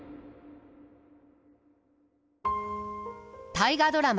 大河ドラマ